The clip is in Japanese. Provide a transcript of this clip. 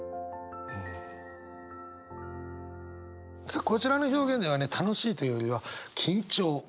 さあこちらの表現ではね楽しいっていうよりは緊張。